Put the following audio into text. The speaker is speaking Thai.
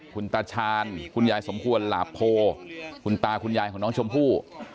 คุณตาชาญคุณยายสมควรหลาโพคุณตาคุณยายของน้องชมพู่